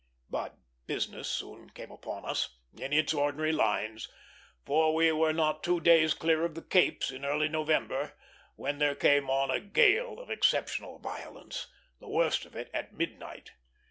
But business soon came upon us, in its ordinary lines; for we were not two days clear of the Capes, in early November, when there came on a gale of exceptional violence, the worst of it at midnight.